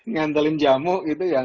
ngandelin jamu gitu yang